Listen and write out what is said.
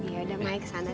oh yaudah maya kesana